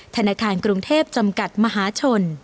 ธนาคารกรุงเทพจำกัดมหาชน